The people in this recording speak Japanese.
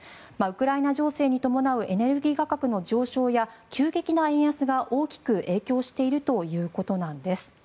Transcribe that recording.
ウクライナ情勢に伴うエネルギー価格の上昇や急激な円安が大きく影響しているということなんです。